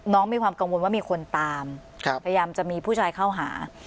มีความกังวลว่ามีคนตามพยายามจะมีผู้ชายเข้าหา